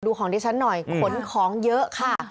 ของดิฉันหน่อยขนของเยอะค่ะ